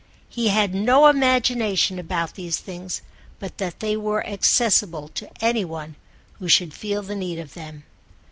He had no imagination about these things but that they were accessible to any one who should feel the need of them.